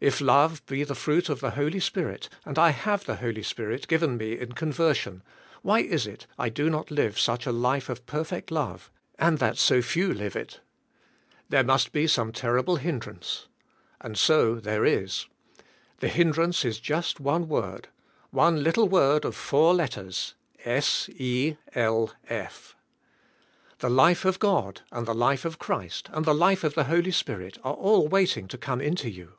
If love be the fruit of the Holy Spirit and I have the Holy Spirit g iven me in conversion, why is it I do not live such a life of perfect love, and that so few live it?' There must be some terrible hindrance. And so there is. The hindrance is just one word, one little word of four letters, "s=e l f." The life of God and the life of Christ and the life of the Holy Spirit are all waiting to come into you.